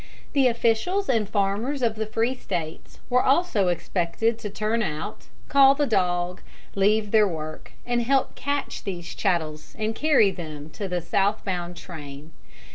The officials and farmers of the free States were also expected to turn out, call the dog, leave their work, and help catch these chattels and carry them to the south bound train.